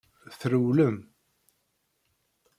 Trewlem.